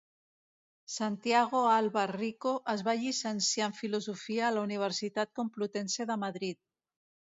Santiago Alba Rico es va llicenciar en Filosofia a la Universitat Complutense de Madrid.